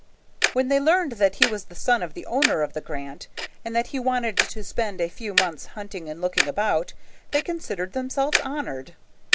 When they learned that he was the son of the owner of the grant, and that he wanted to spend a few months hunting and looking about, they considered themselves honored.